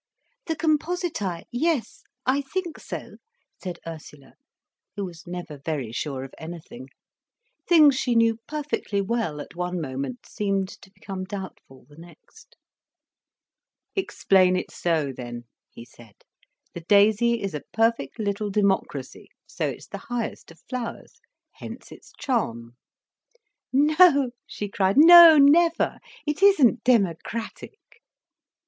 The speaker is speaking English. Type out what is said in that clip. "The compositæ, yes, I think so," said Ursula, who was never very sure of anything. Things she knew perfectly well, at one moment, seemed to become doubtful the next. "Explain it so, then," he said. "The daisy is a perfect little democracy, so it's the highest of flowers, hence its charm." "No," she cried, "no—never. It isn't democratic."